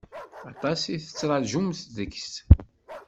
Aṭas i tettṛaǧumt seg-s.